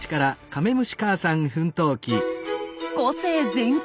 個性全開！